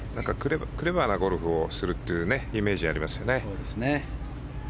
クレバーなゴルフをするというイメージがありますよね。